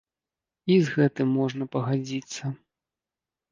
І з гэтым можна пагадзіцца.